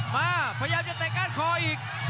พยายามจะเตะก้านคออีก